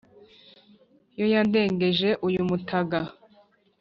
Yo yandengeje uyu mutaga